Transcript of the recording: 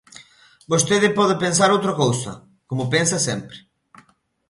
Vostede pode pensar outra cousa, como pensa sempre.